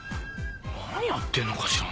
何やってんのかしらね？